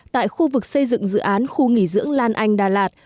tại khu vực xây dựng dự án khu nghỉ dưỡng lan anh đà lạt